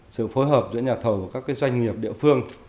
sự phối hợp giữa nhà thầu và các cái doanh nghiệp địa phương